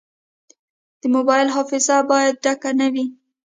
د موبایل حافظه باید ډکه نه وي.